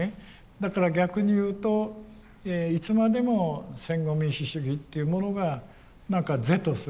だから逆に言うといつまでも戦後民主主義っていうものが何か是とする。